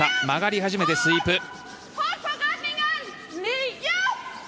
曲がり始めてスイープ。